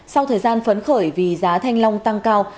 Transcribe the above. sau thời gian phấn khởi vì giá thanh long tăng cao